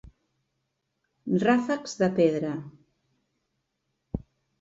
Ràfecs de pedra.